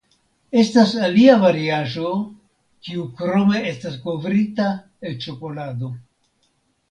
Estas alia variaĵo kiu krome estas kovrita el ĉokolado.